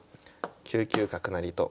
９九角成と。